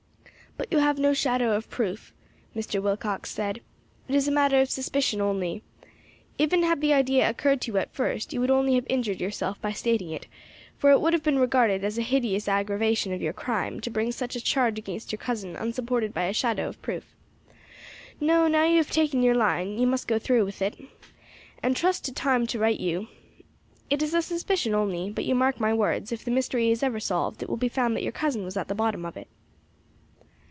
"But you have no shadow of proof," Mr. Willcox said, "it is a matter of suspicion only. Even had the idea occurred to you at first, you would only have injured yourself by stating it, for it would have been regarded as a hideous aggravation of your crime to bring such a charge against your cousin unsupported by a shadow of proof. No; now you have taken your line you must go through with it, and trust to time to right you. It is a suspicion only, but you mark my words, if the mystery is ever solved it will be found that your cousin was at the bottom of it."